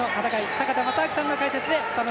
坂田正彰さんの解説でした。